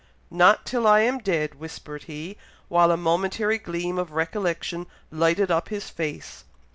"Not till I am dead!" whispered he, while a momentary gleam of recollection lighted up his face.